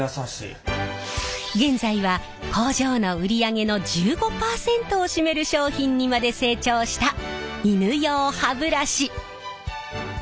現在は工場の売り上げの１５％を占める商品にまで成長した犬用歯ブラシ。